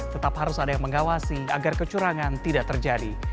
tetap harus ada yang mengawasi agar kecurangan tidak terjadi